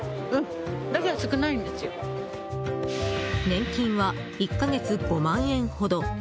年金は１か月５万円ほど。